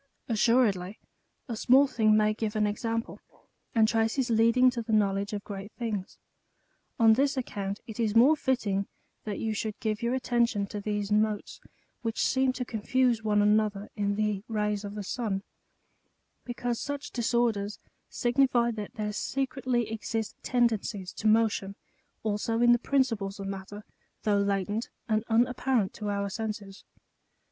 Assuredly a small thing may give an example, and traces leading to the knowledge of great things. On this account it is more fitting that you should give your attention to these motes which seem to confuse one an other in the rays of the sun ; because such disorders signify that there secretly exist tendencies to motion also in the principles of matter, though latent and unapparent to our senses.